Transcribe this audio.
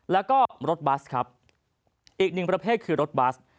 แล้วก็รถบัสครับอีกหนึ่งประเภทคือรถบัส